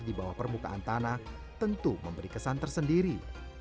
di bawah permukaan tanah tentu memberi kesan tersendiri